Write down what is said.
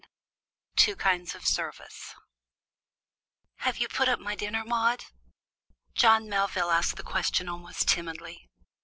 ] TWO KINDS OF SERVICE "Have you put up my dinner, Maude?" John Melvin asked the question almost timidly.